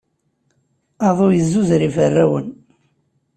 Aḍu yezzuzer iferrawen.